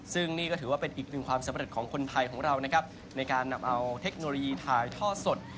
ซึ่งนี่ก็ถือว่าเป็นอีกหนึ่งความสำเร็จของคนไทยของเรานะครับในการนำเอาเทคโนโลยีถ่ายท่อสด